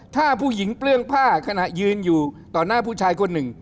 ถ้าผู้หญิงเปลื้องผ้าขณะยืนอยู่ต่อหน้าผู้ชายคนหนึ่ง